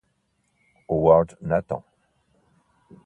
Howard Nathan